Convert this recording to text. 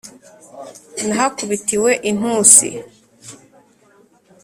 nahakubitiwe intusi